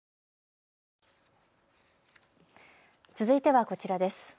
続いてはこちらです。